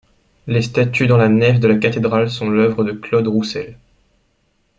Les statues dans la nef de la cathédrale sont l’œuvre de Claude Roussel.